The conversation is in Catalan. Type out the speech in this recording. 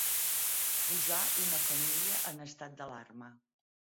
Posar una família en estat d'alarma.